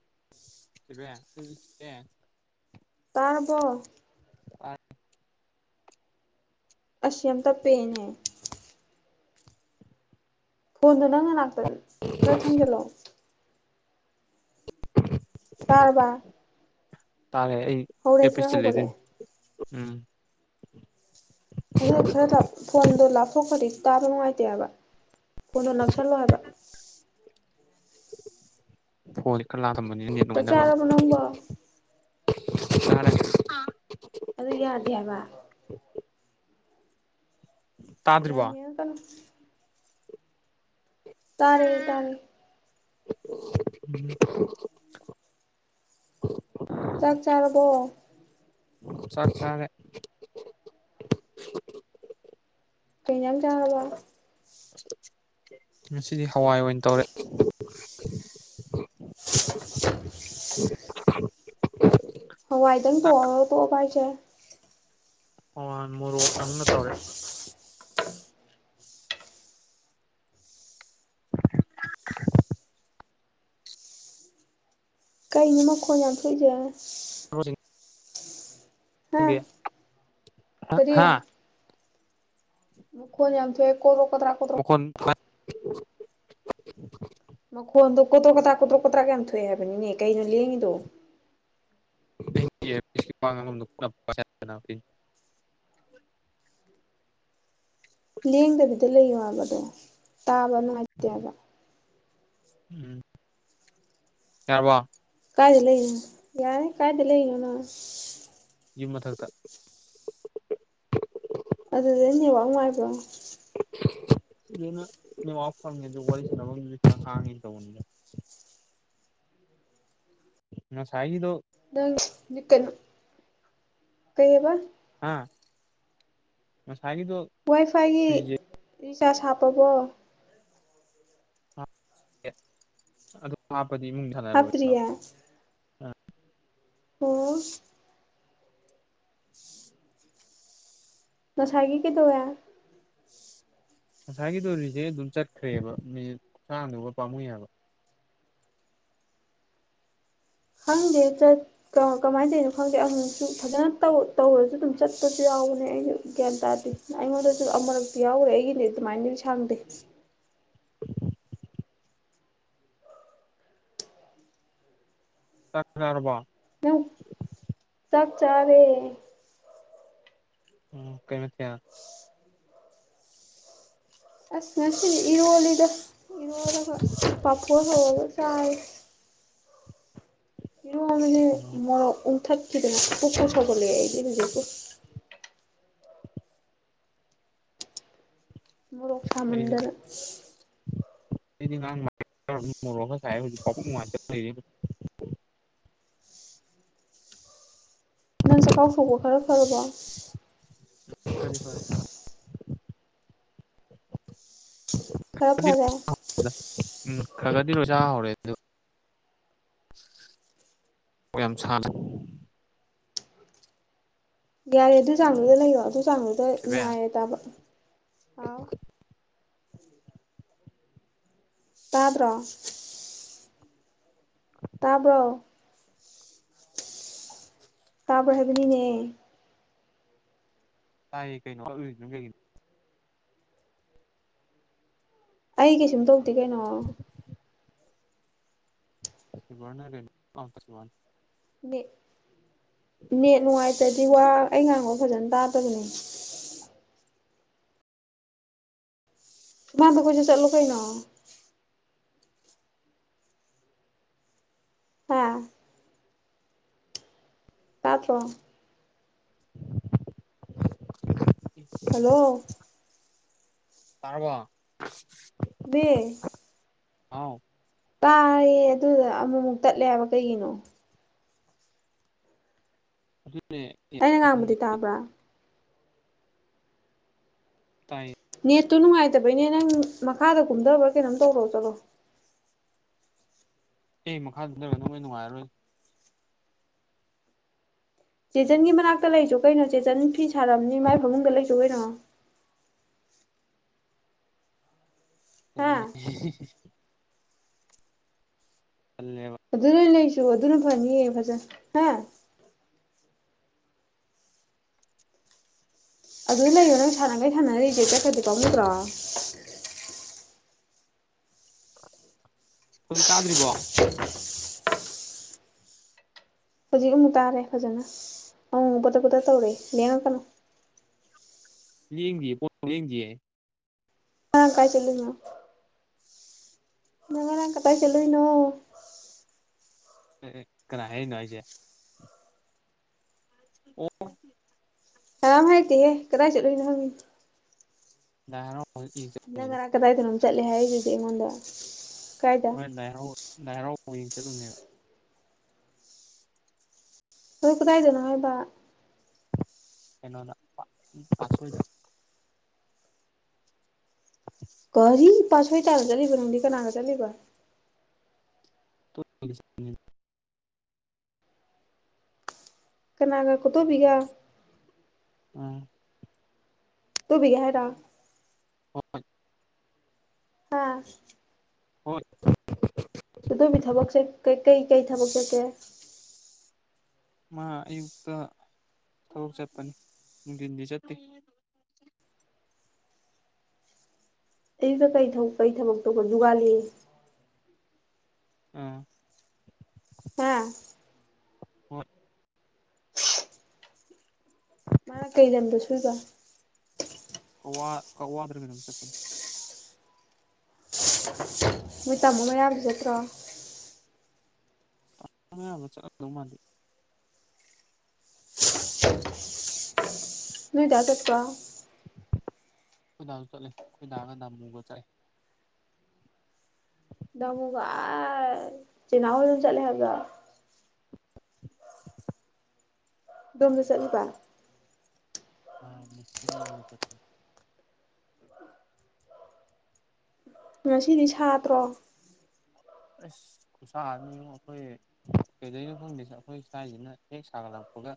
[inaudible] ꯕ ꯎ ꯇꯥꯔꯔꯕꯣ ꯑ ꯑꯁ꯭ꯝꯇꯥ ꯄꯦꯟꯅꯦ ꯐꯣꯟꯗꯣ ꯅꯪꯅ ꯂꯥꯛꯇ ꯈꯔ ꯊꯪꯖꯜꯂꯛꯑꯣ ꯀꯥꯔꯕꯥ ꯇꯥꯔꯦ ꯑꯩ ꯈꯔ ꯀꯦꯄꯤꯤꯁ ꯆ ꯂꯩꯗ ꯍꯧꯒꯠꯂꯛꯑꯦ ꯎꯝ ꯑꯗꯨ ꯈꯔ ꯐꯣꯟꯗꯣ ꯂꯥꯞꯊꯣꯛꯄꯗꯤ ꯇꯥꯕ ꯅꯨꯡꯉꯥꯏꯇꯦ ꯍꯥꯏꯕ ꯐꯣꯟꯗꯣ ꯅꯛꯁꯜꯂꯣ ꯍꯥꯏꯕ ꯍꯣ ꯂꯤ ꯈꯔ ꯂꯥ ꯊꯝꯕꯅꯤꯅꯦ ꯆꯥꯛ ꯑꯗꯨꯃꯥꯏꯅꯕꯦ ꯆꯥꯔꯕꯣ ꯅꯪꯕꯣ ꯑꯗꯨ ꯌꯥꯗꯦ ꯍꯥꯏꯕ ꯇꯥꯗ꯭ꯔꯤꯕꯣ ꯌꯥꯅꯤ ꯀꯩꯅꯣ ꯇꯥꯔꯦ ꯇꯥꯔꯦ [unintelligible] ꯆꯥꯛ ꯆꯥꯔꯕꯣ? ꯆꯥꯛ ꯆꯥꯔꯦ꯫ ꯀꯩ ꯏꯟꯖꯥꯡ ꯆꯥꯔꯕ? ꯉꯁꯤꯗꯤ ꯍꯋꯥꯏ ꯑꯣꯏꯅ ꯇꯧꯔꯦ꯫ [unintelligible] ꯍꯋꯥꯥꯏꯗꯪ ꯊꯣꯡ ꯉꯒ ꯇꯣꯛꯑꯕ ꯍꯥꯏꯖꯦ? ꯑꯣ ꯋꯥꯟ ꯃꯣꯔꯣꯛ ꯑꯝꯒ ꯇꯧꯔꯦ꯫ ꯀꯩꯅꯣ ꯃꯈꯣꯟ ꯌꯥꯝ ꯊꯣꯛꯏꯖꯦ? [unintelligible] ꯍꯥ ꯀꯔꯤ? ꯍꯥ ꯃꯈꯣꯟ ꯌꯥꯝ ꯊꯣꯛꯑꯦ ꯀꯣꯗ꯭ꯔꯣꯛ ꯀꯗ꯭ꯔꯥꯛ ꯀꯣꯗ꯭ꯔꯣꯛ ꯃꯈꯣꯟ [unintelligible] ꯃꯈꯣꯟꯗꯣ ꯀꯣꯗ꯭ꯔꯣꯛ - ꯀꯗ꯭ꯔꯥꯛ ꯀꯣꯗ꯭ꯔꯣꯛ- ꯀꯗ꯭ꯔꯥꯛ ꯌꯥꯝ ꯊꯣꯛꯑꯦ ꯍꯥꯏꯕꯅꯤꯅꯦ ꯀꯩꯅꯣ ꯂꯦꯡꯉꯤꯗꯣ? [unintelligible] ꯂꯦꯡꯗꯕꯤꯗ ꯂꯩꯌꯣ ꯍꯥꯏꯕꯗꯣ ꯇꯥꯕ ꯅꯨꯡꯉꯥꯏꯇꯦ ꯍꯥꯏꯕꯥ꯫ ꯎꯝ ꯌꯥꯔꯕ ꯀꯥꯏꯗ ꯂꯩꯅꯣ ꯌꯥꯔꯦ ꯀꯥꯏꯗ ꯂꯩꯅꯣꯅꯪ? ꯌꯨꯝ ꯃꯊꯛꯇ ꯑꯗꯨꯗ ꯅꯦꯠꯋꯥꯔꯛ ꯅꯨꯉꯥꯏꯕ꯭ꯔꯣ? ꯁꯤꯗꯅ ꯅꯦꯠꯋꯥꯛ ꯐꯪꯉꯦ ꯑꯗꯨ ꯋꯥꯔꯤ ꯁꯥꯅꯕꯥꯝ ꯈꯔꯥ ꯍꯥꯡꯉꯦ ꯇꯧꯕꯅꯤ꯫ ꯉꯁꯥꯏꯒꯤꯗꯣ ꯅꯪ ꯀꯩꯅꯣ ꯀꯩꯑꯕ? ꯍꯥ ꯉꯁꯥꯏꯒꯤꯗꯣ ꯋꯥꯏꯐꯥꯏꯒꯤ ꯔꯤꯖꯦꯛ ꯔꯤꯆꯥꯔꯖ ꯍꯥꯞꯄꯕꯣ? ꯍꯥꯞꯄꯦ ꯑꯗꯨ ꯍꯥꯞꯄꯗꯤ ꯏꯃꯨꯡꯗ ꯍꯥꯇ꯭ꯔꯤꯌꯦ ꯑꯣ ꯉꯁꯥꯏꯒꯤ ꯀꯩꯗꯧꯋꯦ ꯉꯁꯥꯏꯒꯤꯗꯣ ꯔꯤꯖꯦꯛ ꯑꯗꯨꯝ ꯆꯠꯈ꯭ꯔꯦꯕ ꯃꯤꯅꯤꯠ ꯈꯨꯁꯥꯡꯗꯨꯒ ꯄꯥꯝꯃꯨꯏ ꯍꯥꯏꯕ꯫ ꯈꯪꯗꯦ ꯆꯠ ꯀ ꯀꯃꯥꯏ ꯇꯩꯅꯣ ꯈꯪꯗꯦ ꯑꯃꯨꯛꯁꯨ ꯐꯖꯅ ꯇꯧ ꯇꯧꯔꯁꯨ ꯑꯗꯨꯝ ꯆꯠꯄꯁꯨ ꯌꯥꯎꯕꯅꯦ ꯑꯩꯅ ꯒ꯭ꯌꯥꯟ ꯇꯥꯗꯦ꯫ ꯑꯩꯉꯣꯟꯗꯁꯨ ꯑꯃꯔꯛꯇꯤ ꯌꯥꯎꯒꯔꯦ ꯑꯩꯒꯤꯗꯤ ꯑꯗꯨꯃꯥꯏꯅꯗꯤ ꯁꯥꯡꯗꯦ꯫ ꯆꯥꯛ ꯆꯥꯔꯕꯣ? ꯆꯥꯛ ꯆꯥꯔꯦ꯫ ꯎꯝ ꯀꯩ ꯃꯊꯦꯜ? ꯑꯁ ꯉꯁꯤꯅꯤ ꯏꯔꯣꯜꯂꯤꯗ ꯏꯔꯣꯜꯂꯒ ꯄꯥꯐꯣꯔ ꯍꯧꯔꯒ ꯆꯥꯏ꯫ ꯎꯝ ꯊꯛ ꯈꯤꯗꯅ ꯄꯨꯛꯇꯨꯝ ꯁꯥꯎꯒꯠꯂꯛꯑꯦ ꯑꯩꯗꯤ ꯍꯨꯄꯨꯛꯄꯨ꯫ ꯃꯣꯔꯣꯛ ꯑꯩꯗꯤ ꯁꯥꯃꯟꯗꯅ ꯑꯩꯗꯤ ꯉꯔꯥꯡ [unintelligible] ꯅꯪ ꯆꯥꯛꯈꯥꯎ ꯁꯣꯛꯄ ꯈꯔ ꯐꯔꯕꯣ? ꯈꯗꯤ ꯐꯔꯦ ꯈꯔ ꯐꯔꯦ ꯎꯝ ꯈꯔ ꯈꯔꯗꯤ ꯂꯣꯏ ꯆꯥꯕ ꯍꯧꯔꯦ ꯑꯗꯨ [unintelligible] ꯌꯥꯔꯦ ꯑꯗꯨ ꯆꯥꯡꯗꯨꯗ ꯂꯩꯌꯣ ꯑꯗꯨ ꯆꯥꯡꯗꯨꯗ ꯆꯦꯕꯦꯟ ꯅꯨꯡꯉꯥꯏꯔꯦ ꯇꯥꯕ ꯍꯥꯎ ꯇꯥꯗ꯭ꯔꯣ? ꯇꯥꯕ꯭ꯔꯣ? ꯇꯥꯕ꯭ꯔꯥ ꯍꯥꯏꯕꯅꯤꯅꯦ ꯇꯥꯏꯌꯦ ꯀꯩꯅꯣ [unintelligible] ꯑꯩ ꯀꯩꯁꯨꯝ ꯇꯧꯗꯦ ꯀꯩꯅꯣ [unintelligible] ꯅꯦꯠ ꯅꯦꯠ ꯅꯨꯡꯉꯥꯏꯇ꯭ꯔꯗꯤ ꯋꯥ ꯑꯩ ꯉꯥꯡꯕ ꯐꯖꯅ ꯇꯥꯗꯕꯅꯦ ꯁꯨꯃꯥꯡꯗ ꯀꯣꯢꯆꯠ ꯆꯠꯂꯨ ꯀꯩꯅꯣ ꯑꯥ ꯇꯥꯗ꯭ꯔꯣ ꯍꯜꯂꯣ ꯇꯥꯔꯕꯣ ꯃꯤꯁ ꯑꯥꯎ ꯇꯥꯢꯌꯦ ꯑꯗꯨꯗ ꯑꯃꯨꯛꯃꯨꯛ ꯇꯠꯂꯦ ꯍꯥꯏꯕ ꯀꯩꯒꯤꯅꯣ ꯑꯗꯨꯅꯦ ꯑꯩꯅ ꯉꯥꯡꯕꯗꯤ ꯈꯪꯗꯦ ꯇꯥꯕ꯭ꯔꯥ ꯇꯥꯏ ꯅꯦꯠꯇꯣ ꯅꯨꯡꯉꯥꯏꯇꯕꯩꯅꯦ ꯅꯪ ꯃꯈꯥꯗ ꯀꯨꯝꯗꯕ꯭ꯔꯥ ꯀꯩꯅꯣꯝ ꯇꯧꯔꯣ ꯆꯠꯂꯣ ꯑꯦ ꯃꯈꯥꯗ ꯀꯨꯝꯗꯔꯒꯅ ꯑꯃꯨꯛ ꯍꯦꯟꯅ ꯅꯨꯡꯉꯥꯏꯔꯔꯣꯏ ꯆꯦꯆꯟꯒꯤ ꯃꯅꯥꯛꯇ ꯂꯩꯆꯣ ꯀꯩꯅꯣ ꯆꯦꯆꯟ ꯐꯤ ꯁꯥꯔꯝꯅꯤ ꯃꯥꯏ ꯐꯃꯨꯡꯗ ꯂꯩꯆꯣ ꯀꯩꯅꯣ ꯍꯥ ꯇꯜꯂꯤ [unintelligible] ꯇꯜꯂꯦꯕ ꯑꯗꯨꯗ ꯂꯩꯆꯨꯑꯣ ꯑꯗꯨꯅ ꯐꯅꯤꯌꯦ ꯐꯖꯅ ꯑꯗꯨꯗ ꯂꯩꯌꯣ ꯅꯪ ꯁꯥꯟꯅꯒꯩ ꯁꯥꯟꯅꯔꯒ ꯔꯤꯖꯦꯛ ꯆꯠꯈ꯭ꯔꯗꯤ ꯄꯥꯝꯃꯨꯗ꯭ꯔꯣ ꯍꯧꯖꯤꯛ ꯇꯥꯗ꯭ꯔꯤꯕꯣ [inaudible] ꯍꯧꯖꯤꯛ ꯑꯃꯨꯛ ꯇꯥꯔꯦ ꯐꯖꯅ ꯑꯃꯨꯛ ꯑꯃꯨꯛ ꯕꯗꯠ ꯕꯗꯠ ꯇꯧꯔꯛꯑꯦ ꯂꯦꯡꯉꯛꯀꯅꯨ ꯂꯦꯡꯗꯤꯌꯦ [unintelligible] ꯂꯦꯡꯗꯤꯌꯦ ꯉꯔꯥꯡ ꯀꯥꯏ ꯆꯠꯂꯨꯏꯅꯣ ꯅꯪ ꯉꯔꯥꯡ ꯀꯗꯥꯏ ꯆꯠꯂꯨꯢꯅꯣ ꯑꯦ ꯑꯦ ꯀꯅꯥ ꯍꯥꯏꯔꯛꯢꯅꯣ ꯍꯥꯢꯖꯦ [unintelligible] ꯀꯅꯥꯝ ꯍꯥꯏꯔꯛꯇꯦꯍꯦ ꯀꯗꯥꯏ ꯆꯠꯂꯨꯢꯅꯣ ꯍꯪꯉꯤ ꯂꯥꯏ ꯍꯔꯥꯎ ꯅꯪ ꯉꯔꯥꯡ ꯀꯗꯥꯏꯗꯅꯣꯝ ꯆꯠꯂꯦ ꯍꯥꯏꯔꯏꯖꯤꯗꯤ ꯑꯩꯉꯣꯟꯗ ꯀꯥꯏꯗ ꯍꯣꯏ ꯂꯥꯏꯍꯔꯥꯎ ꯂꯥꯏ ꯍꯔꯥꯎꯕ ꯌꯦꯡ ꯆꯠꯂꯨꯝꯅꯦꯕ ꯑꯗꯣ ꯀꯗꯥꯏꯗꯅꯣ ꯍꯥꯏꯕ ꯀꯩꯅꯣꯗ ꯄꯥꯠ ꯄꯥꯠꯁꯣꯢꯗ ꯀꯔꯤ ꯄꯥꯠꯁꯣꯏ ꯇꯥꯟꯅ ꯆꯠꯂꯤꯕ ꯅꯪꯗꯤ ꯀꯅꯥꯒ ꯆꯠꯂꯤꯕ [unintelligible] ꯀꯅꯥꯒ ꯀꯣꯇꯣꯕꯤꯒ ꯑꯥ ꯇꯨꯕꯤꯒꯦ ꯍꯥꯏꯔꯣ ꯍꯣꯏ ꯍꯥꯥ ꯍꯣꯏ ꯀꯨꯇꯨꯕꯤ ꯊꯕꯛꯁꯦ ꯀꯩ ꯀꯩ ꯀꯩ ꯊꯕꯛ ꯆꯠꯀꯦ ꯃꯥ ꯑꯌꯨꯛꯇ ꯊꯕꯛ ꯆꯠꯄꯅꯤ ꯅꯨꯡꯗꯤꯟꯗꯤ ꯆꯠꯇꯦ ꯑꯌꯨꯛꯇ ꯀꯩ ꯊꯕꯛ ꯀꯩ ꯊꯕꯛ ꯇꯧꯗꯧꯕ ꯋꯥꯠꯂꯤ ꯑ ꯍꯥ ꯍꯣꯏ ꯃꯥꯅ ꯀꯩ ꯂꯝꯗ ꯁꯨꯏꯕ ꯀꯧꯋꯥ ꯀꯧꯋꯥꯗ꯭ꯔ ꯀꯩꯅꯣꯝ ꯆꯠꯄꯥꯅꯤ [unintelligible] ꯅꯣꯏ ꯇꯥꯝꯃꯣ ꯃꯩꯔꯕꯥ ꯗꯤ ꯆꯠꯇ꯭ꯔꯣ [unintelligible] ꯅꯣꯏ ꯗꯥ ꯆꯠꯄꯔꯣ ꯈꯣꯏꯗꯥꯁꯨ ꯆꯠꯂꯦ ꯈꯣꯏꯗꯥꯒ ꯗꯥꯃꯨꯒ ꯆꯠꯂꯦ ꯗꯥꯃꯨꯒ ꯑꯥ ꯆꯦꯅꯥꯎ ꯍꯣꯏꯔꯣꯝꯗ ꯆꯠꯂꯦ ꯍꯥꯏꯕꯔꯣ ꯑꯥꯥ ꯗꯣꯝꯗ ꯆꯠꯂꯤꯕ [unintelligible] ꯉꯁꯤꯗꯤ ꯁꯥꯗꯔꯣ ꯑꯁ ꯈꯨꯁꯥ ꯑꯅꯤ ꯌꯦꯨꯛ ꯑꯩꯈꯣꯏ ꯀꯩꯗꯣꯏꯅꯣ ꯈꯪꯗꯦꯁ ꯑꯩꯈꯣꯏ ꯏꯁꯥꯏꯁꯤꯅ ꯍꯦꯛ ꯁꯥꯒꯠꯂꯛꯄꯒ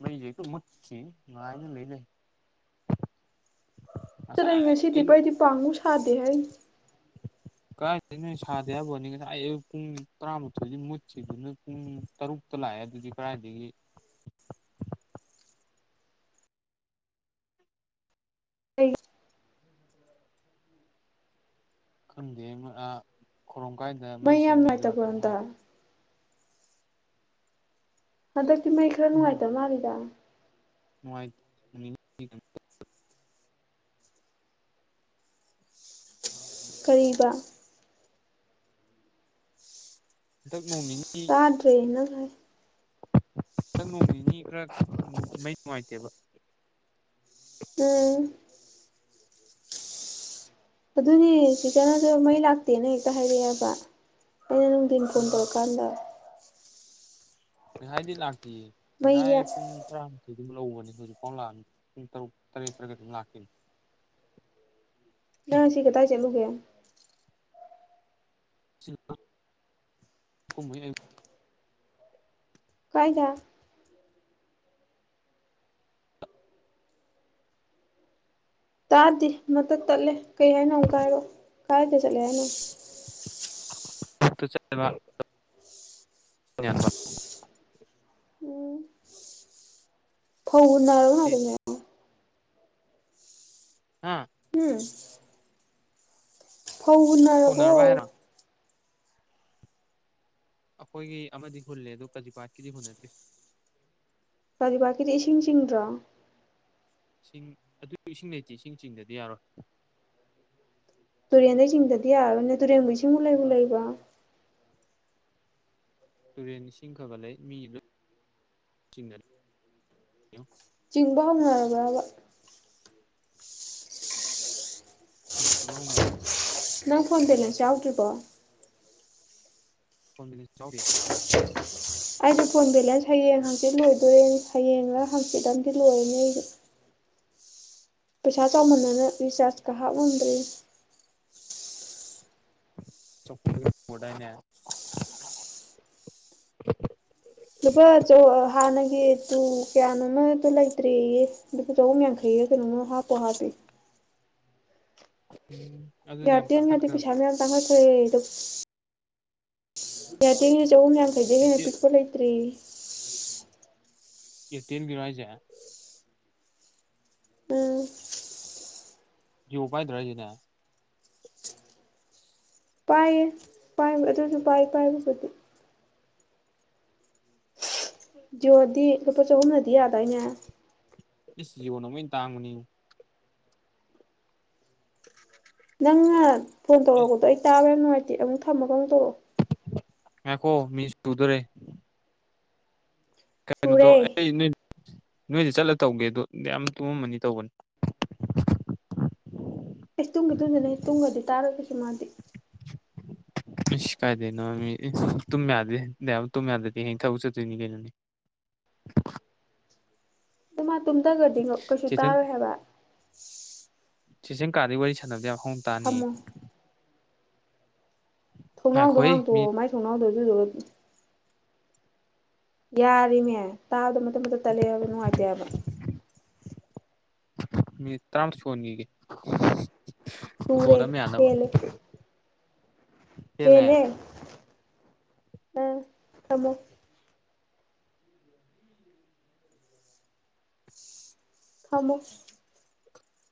ꯃꯩꯩ ꯁꯦ ꯍꯦꯛꯇꯥ ꯃꯨꯠꯈꯤ ꯉꯥꯏꯔ ꯂꯩ ꯂꯩ ꯉꯁꯥꯏ ꯑꯌꯨꯛ [unintelligible] ꯀꯔꯥꯏꯗꯩꯅꯣꯍꯦ ꯁꯥꯗꯦ ꯍꯥꯏꯕꯩ ꯋꯥꯅꯤ ꯉꯁꯥꯏ ꯑꯌꯨꯛ ꯄꯨꯡ ꯇꯔꯥꯃꯥꯊꯣꯏꯗꯤ ꯃꯨꯠꯈꯤꯕꯗꯨꯅ ꯄꯨꯡ ꯇꯔꯨꯛ ꯇꯥ ꯂꯥꯛꯑꯦ ꯑꯗꯨꯗꯤ ꯀꯔꯥꯏꯗꯤꯒꯤ ꯑꯩ ꯃꯩ ꯌꯥꯝ ꯅꯨꯡꯉꯥꯏꯇꯕ꯭ꯔꯣ ꯍꯟꯗꯛ [unintelligible] ꯍꯟꯗꯛꯇꯤ ꯃꯩ ꯈꯔ ꯅꯨꯡꯉꯥꯏꯇꯕ ꯃꯥꯜꯂꯤꯗ [unintelligible] ꯀꯔꯤꯕ ꯍꯟꯇꯛ ꯅꯣꯡꯅꯤꯅꯤ ꯇꯥꯗꯔꯦ ꯅꯪ [unintelligible] ꯎꯝ ꯑꯗꯨꯅꯤ ꯁꯤꯁꯇꯔꯅꯁꯨ ꯃꯩ ꯂꯥꯛꯇꯦꯅ ꯍꯦꯛꯇ ꯍꯥꯏꯔꯛꯑꯦꯕ ꯑꯩꯅ ꯅꯨꯡꯊꯤꯟ ꯐꯣꯟ ꯎꯝ ꯇꯧꯔꯀꯥꯟꯗ ꯉꯥꯁꯥꯏꯗꯤ ꯂꯥꯛꯇꯦ ꯃꯩꯁꯦ ꯉꯁꯥꯏ ꯄꯨꯡ [unintelligible] ꯅꯪ ꯉꯁꯤ ꯀꯥꯗꯥꯏ ꯆꯠꯂꯨꯒꯦ [unintelligible] ꯀꯥꯏꯗ ꯇꯥꯗꯦ ꯃꯇꯠ ꯇꯠꯂꯦ ꯀꯩ ꯍꯥꯏꯅꯣ ꯑꯃꯨꯛꯀ ꯀꯥꯏꯔꯛꯑꯣ ꯀꯥꯏꯗ ꯆꯠꯂꯦ ꯍꯥꯏꯅꯣ [unintelligible] ꯎꯝ ꯐꯧ ꯍꯨꯟꯅ [unintelligible] ꯍꯥꯥ ꯎꯝ ꯐꯧ ꯍꯨꯟꯅꯔꯕꯣ ꯍꯣꯟꯅꯔꯕ ꯍꯥꯏꯔꯣ ꯑꯩꯈꯣꯏꯒꯤ ꯑꯃꯗꯤ ꯍꯨꯜꯂꯦ ꯑꯗꯨ ꯀꯖꯤꯕꯥꯠꯀꯤꯗꯤ ꯍꯨꯟꯅꯗ꯭ꯔꯤ ꯀꯖꯤꯕꯥꯥꯠꯀꯤꯗꯤ ꯏꯁꯤꯡ ꯆꯤꯡꯗ꯭ꯔꯣ ꯏꯁꯤꯡ ꯑꯗꯨꯁꯨ ꯏꯁꯤꯡ ꯂꯩꯇꯦ ꯏꯁꯤꯡ ꯆꯤꯡꯗ꯭ꯔꯗꯤ ꯌꯥꯔꯣꯏ ꯇꯨꯔꯦꯟꯗꯩ ꯆꯤꯡꯗ꯭ꯔꯗꯤ ꯌꯥꯔꯔꯣꯏꯅꯦ ꯇꯨꯔꯦꯟꯕꯨ ꯏꯁꯤꯡꯕꯨ ꯂꯩꯕꯨ ꯂꯩꯕ꯭ꯔ ꯇꯨꯔꯦꯟ ꯏꯁꯤꯡ ꯈꯔ ꯈꯔ ꯂꯩ ꯃꯤ ꯂꯣꯏ ꯆꯤꯡꯅꯩ ꯆꯤꯡꯕ ꯍꯧꯅꯔꯕ꯭ꯔꯕ ꯎꯝ ꯆꯤꯡꯕ ꯍꯧꯅꯔꯦ ꯅꯪ ꯐꯣꯟ ꯕꯦꯂꯦꯁ ꯌꯥꯎꯗ꯭ꯔꯤꯕꯣ [unintelligible] [unintelligible] ꯄꯩꯁꯥ ꯆꯥꯎꯃꯟꯗꯅ ꯔꯤꯆꯥꯔꯖꯀ ꯍꯥꯞꯉꯝꯗ꯭ꯔꯔꯤꯅꯦ ꯆꯞꯄꯗ ꯄꯨꯗꯥꯏꯅꯦ꯫ ꯂꯨꯄꯥ ꯍꯥꯟꯅꯒꯤ ꯇꯨ ꯀꯌꯥꯅꯣꯃꯗꯣ ꯂꯩꯇ꯭ꯔꯤꯌꯦ ꯂꯨꯄꯥꯆꯍꯨꯝ ꯌꯩꯈꯩ ꯒꯤ ꯀꯩꯅꯣꯝꯒꯤ ꯀꯩꯅꯣꯝꯃ ꯍꯥꯞꯇ ꯍꯥꯞꯄꯤ ꯎꯝ ꯒꯥꯔꯇ ꯉꯗꯤ ꯄꯩꯁꯥꯅ ꯁꯥ ꯆꯥꯈꯠꯈ꯭ꯔꯦ ꯌꯥꯗꯦ ꯆꯍꯨꯝ ꯌꯥꯝ ꯑꯗꯩ ꯍꯦꯟꯅ ꯑꯦꯌꯥꯔꯇꯦꯜ ꯄꯤꯛꯄ ꯂꯩꯇ꯭ꯔꯤ ꯏ ꯇꯦꯟꯒꯤ ꯍꯥꯏꯖꯦ ꯎꯝ ꯖꯤꯑꯣ ꯄꯥꯏꯗ꯭ꯔ ꯍꯥꯏꯁꯤꯅꯪ ꯄꯥꯏꯌꯦ ꯄꯥꯏꯕ ꯑꯗꯨꯁꯨ ꯄꯥꯏ ꯄꯥꯏꯕꯕꯨꯗꯤ ꯖꯤꯑꯣꯗꯤ ꯂꯨꯄꯥ ꯆꯍꯨꯝꯅꯗꯤ ꯌꯥꯗꯏꯅꯦ ꯢꯟ ꯖꯤꯑꯦꯅꯃꯨꯛ ꯍꯦꯟꯅ ꯇꯥꯡꯕꯅꯤ ꯅꯪꯅ ꯐꯣꯟ ꯇꯧꯔꯛꯄꯗꯣ ꯑꯩ ꯇꯥꯕ ꯌꯥꯝ ꯅꯨꯡꯉꯥꯏꯇꯦ ꯑꯃꯨꯛ ꯊꯝꯃꯒ ꯑꯃꯨꯛ ꯇꯧꯔꯛꯑꯣ ꯃꯈꯣ ꯃꯤꯅꯤꯠꯁꯨꯗꯔꯦ ꯀꯩꯅꯣꯗꯣ ꯁꯨꯔꯦ ꯑꯩ ꯑꯩꯁ ꯅꯣꯏ ꯅꯣꯏꯗ ꯆꯠꯂ ꯇꯧꯒꯦꯗꯣ ꯌꯥꯝ ꯇꯨꯝꯑꯝꯃꯅꯤ ꯇꯧꯕꯅꯤ ꯏꯁ ꯇꯨꯡꯒꯤꯗꯨꯗꯅꯦ ꯇꯨꯡꯒꯔꯗꯤ ꯇꯥꯔꯒꯣꯏꯁ ꯃꯥꯗꯤ [unintelligible] ꯀꯥꯏꯗꯦꯅꯣꯨꯝ ꯌꯥꯗꯗꯤ ꯇꯨꯝ ꯌꯥꯗꯗꯤ ꯍꯌꯦ ꯊꯕꯛ ꯆꯠꯇꯣꯏꯅꯤ ꯀꯩꯅꯣꯅꯦ ꯍ [unintelligible] ꯑꯗꯨ ꯃꯥꯇꯣꯝꯇꯒꯗꯤ ꯀꯩꯁꯨ ꯇꯥꯔꯣꯏ ꯍꯥꯏꯕ ꯁꯤꯁꯦꯝ ꯀꯥꯔꯗꯒꯤ ꯋꯥꯔꯤ ꯁꯥꯟꯅꯕꯗ ꯌꯥꯝ ꯍꯥꯎꯅ ꯇꯥꯅꯤꯌꯦ꯫ ꯊꯝꯃꯣ ꯊꯣꯡꯅꯥꯎꯗꯣ ꯉꯥꯏꯈꯣꯍꯦ ꯃꯤꯅꯤꯠ ꯍꯥꯡꯇꯣꯛꯑꯣ ꯃꯥꯏ ꯊꯣꯡꯅꯥꯎꯗꯣ ꯑꯗꯨꯗꯨꯒ ꯌꯥꯔꯦꯃꯦ ꯇꯥꯕꯗ ꯃꯇꯠ ꯃꯇꯠ ꯇꯠꯂꯦ ꯍꯥꯏꯕ ꯅꯨꯡꯉꯥꯏꯇꯦꯕ ꯃꯤꯅꯠ ꯇ꯭ꯔꯥꯥꯟ ꯁꯨꯍꯟꯈꯤꯒꯦ ꯫ ꯁꯨꯔꯦ ꯍꯦꯜꯂꯦ꯫ ꯆꯦꯜꯂꯦ ꯍꯦꯜꯂꯦ ꯑꯥ ꯊꯝꯃꯣ꯫ ꯊꯝꯃꯣ